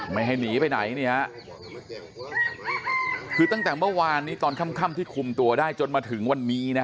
ไม่ให้หนีไปไหนเนี่ยฮะคือตั้งแต่เมื่อวานนี้ตอนค่ำที่คุมตัวได้จนมาถึงวันนี้นะฮะ